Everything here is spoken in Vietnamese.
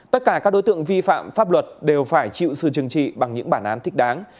tất cả các đối tượng vi phạm pháp luật đều phải chịu sự chừng trị bằng những bản án thích đáng